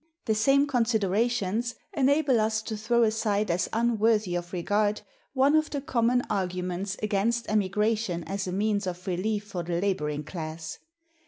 The same considerations enable us to throw aside as unworthy of regard one of the common arguments against emigration as a means of relief for the laboring class.